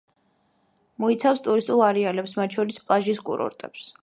მოიცავს ტურისტულ არეალებს, მათ შორის პლაჟის კურორტებს.